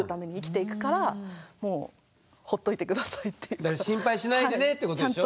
それで私は心配しないでねってことでしょ？